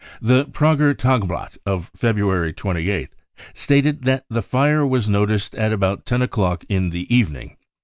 The Prager Tageblatt of February 28th stated that the fire was noticed at about 10 o'clock in the evening.